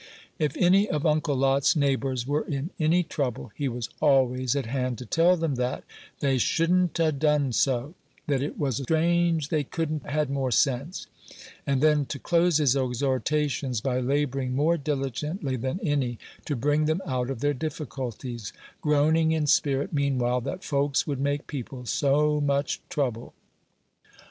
If any of Uncle Lot's neighbors were in any trouble, he was always at hand to tell them that "they shouldn't a' done so;" that "it was strange they couldn't had more sense;" and then to close his exhortations by laboring more diligently than any to bring them out of their difficulties, groaning in spirit, meanwhile, that folks would make people so much trouble.